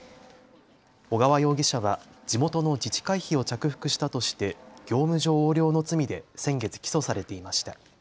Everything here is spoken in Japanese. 小川容疑者は地元の自治会費を着服したとして業務上横領の罪で先月、起訴されていました。